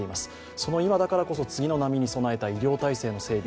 その今だからこそ次の波に備えた医療体制の整備